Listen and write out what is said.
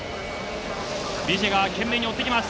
ビジエが懸命に追ってきます。